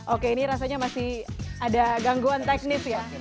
oke ini rasanya masih ada gangguan teknis ya